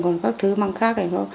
còn các thứ măng khác này